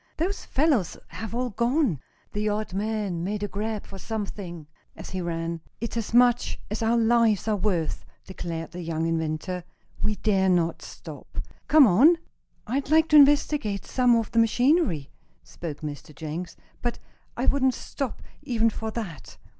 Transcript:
Those fellows have all gone!" The odd man made a grab for something as he ran. "It's as much as our lives are worth," declared the young inventor. "We dare not stop! Come on!" "I'd like to investigate some of the machinery," spoke Mr. Jenks, "but I wouldn't stop, even for that."